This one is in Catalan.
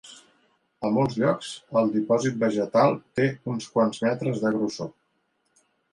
A molts llocs, el dipòsit vegetal té uns quants metres de grossor.